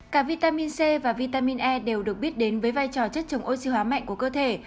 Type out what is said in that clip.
cả vitamin c và vitamin e đều được biết đến với vai trò chất chống oxy hóa mạnh của cơ thể